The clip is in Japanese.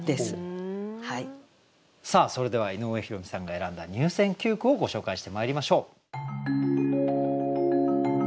さあそれでは井上弘美さんが選んだ入選九句をご紹介してまいりましょう。